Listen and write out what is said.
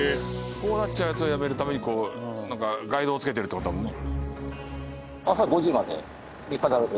こうなっちゃうやつをやめるためにガイドを付けてるって事だもんね。